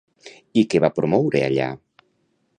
I què va promoure allà?